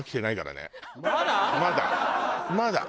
まだ。